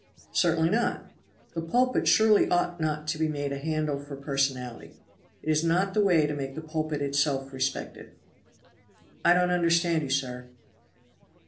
"Certainly not." "The pulpit surely ought not to be made a handle for personality. It is not the way to make the pulpit itself respected." "I don't understand you, sir."